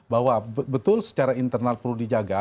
bahwa betul secara internal perlu dijaga